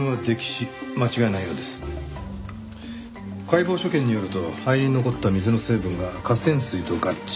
解剖所見によると肺に残った水の成分が河川水と合致。